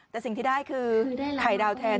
แต่สิ่งที่ได้คือไข่ดาวแทน